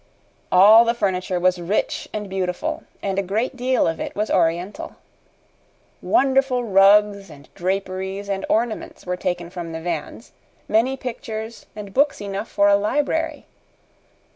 All the furniture was rich and beautiful, and a great deal of it was Oriental. Wonderful rugs and draperies and ornaments were taken from the vans, many pictures, and books enough for a library.